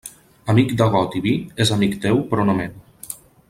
Amic de got i vi és amic teu però no meu.